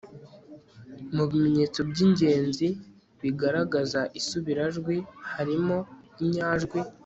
mu bimenyetso by'ingenzi bigaragaza isubirajwi harimoinyajwi